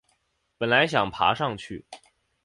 本来想爬上去